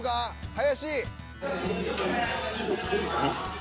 林！